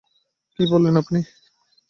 কি বললেন আপনি?